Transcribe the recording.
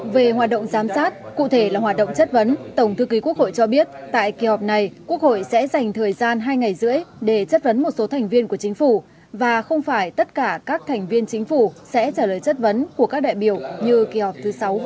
về hoạt động giám sát cụ thể là hoạt động chất vấn tổng thư ký quốc hội cho biết tại kỳ họp này quốc hội sẽ dành thời gian hai ngày rưỡi để chất vấn một số thành viên của chính phủ và không phải tất cả các thành viên chính phủ sẽ trả lời chất vấn của các đại biểu như kỳ họp thứ sáu của